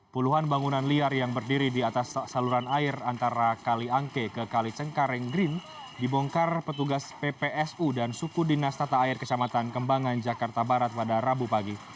puluhan bangunan liar yang berdiri di atas saluran air antara kali angke ke kali cengkareng green dibongkar petugas ppsu dan suku dinas tata air kecamatan kembangan jakarta barat pada rabu pagi